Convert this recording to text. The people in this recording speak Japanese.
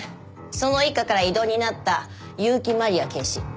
その一課から異動になった結城まりあ警視。